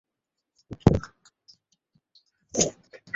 আমি জানিও না।